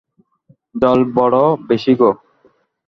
জল বড় বেশি গো!